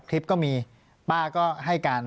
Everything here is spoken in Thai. คลิปก็มีป้าก็ให้การ